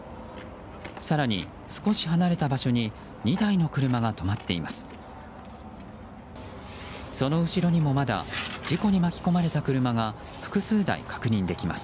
更に少し離れた場所に２台の車が止まっています。